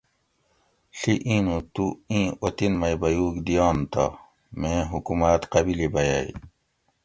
ڷی ایں نوں تو ایں اوطن مئ بیوگ دیٔن تہ میں حکومات قبیلی بھیئ